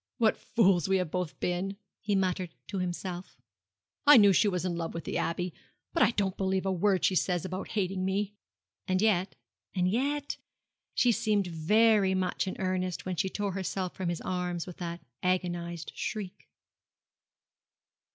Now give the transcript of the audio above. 'What fools we have both been!' he muttered to himself, 'I knew she was in love with the Abbey; but I don't believe a word she says about hating me!' And yet and yet she had seemed very much in earnest when she tore herself from his arms with that agonized shriek.